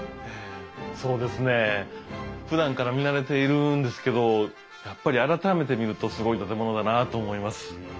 そうですね。ふだんから見慣れているんですけどやっぱり改めて見るとすごい建物だなと思います。